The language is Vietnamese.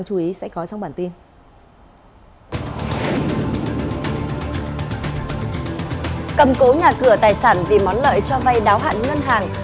cầm cố nhà cửa tài sản vì món lợi cho vay đáo hạn ngân hàng